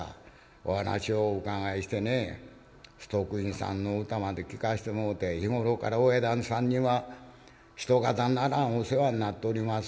お話をお伺いしてね崇徳院さんの歌まで聞かせてもろうて日頃から親旦那さんには一方ならんお世話になっとります。